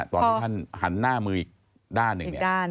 ตอนท่านหันหน้ามืออีกด้านอีกด้าน